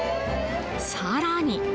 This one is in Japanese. さらに。